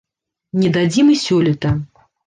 Не дадзім і сёлета.